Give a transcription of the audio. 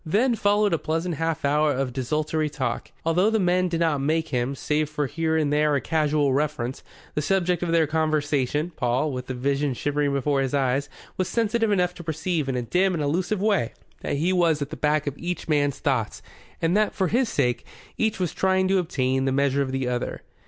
Then followed a pleasant half hour of desultory talk. Although the men did not make him, save for here and there a casual reference, the subject of their conversation, Paul, with the Vision shimmering before his eyes, was sensitive enough to perceive in a dim and elusive way that he was at the back of each man's thoughts and that, for his sake, each was trying to obtain the measure of the other.